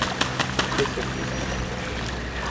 Efk-as afus-ik.